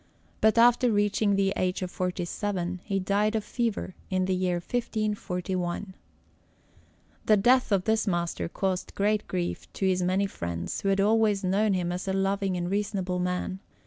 But after reaching the age of forty seven, he died of fever in the year 1541. The death of this master caused great grief to his many friends, who had always known him as a loving and reasonable man.